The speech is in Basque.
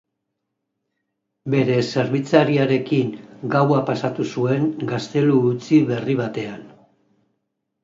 Bere zerbitzariarekin gaua pasatu zuen gaztelu utzi berri batean.